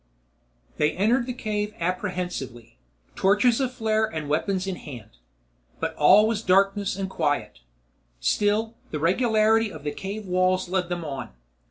They entered the cave apprehensively, torches aflare and weapons in hand. But all was darkness and quiet. Still, the regularity of the cave walls led them on.